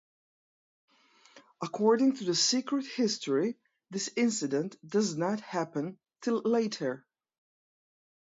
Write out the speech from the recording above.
According to the Secret History, this incident does not happen till later.